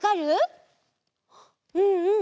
うんうん。